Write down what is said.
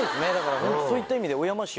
ホントそういった意味で。